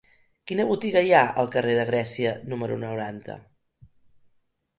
Quina botiga hi ha al carrer de Grècia número noranta?